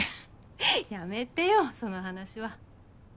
フッやめてよその話は。